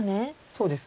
そうですね。